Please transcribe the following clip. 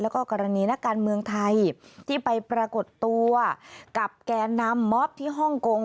แล้วก็กรณีนักการเมืองไทยที่ไปปรากฏตัวกับแก่นำมอบที่ฮ่องกง